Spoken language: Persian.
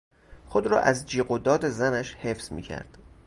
خود را از جیغ و داد زنش حفظ میکرد.